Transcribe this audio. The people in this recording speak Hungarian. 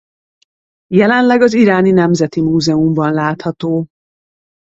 Jelenleg az Iráni Nemzeti Múzeumban látható.